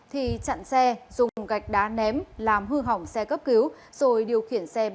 thì chặn xe dùng gạch đá ném làm hư hỏng xe cấp cứu rồi điều khiển xe bỏ chạy